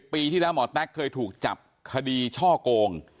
ปีที่แล้วหมอแต๊กเคยถูกจับคดีช่อโกง